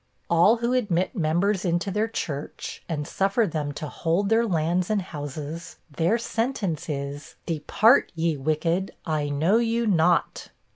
All who admit members into their church, and suffer them to hold their lands and houses, their sentence is, "Depart, ye wicked, I know you not."